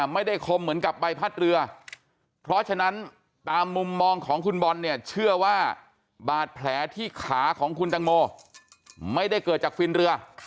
คมเหมือนกับใบพัดเรือเพราะฉะนั้นตามมุมมองของคุณบอลเนี่ยเชื่อว่าบาดแผลที่ขาของคุณตังโมไม่ได้เกิดจากฟินเรือ